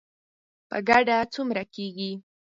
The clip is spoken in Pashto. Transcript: په ګډه څومره کیږي؟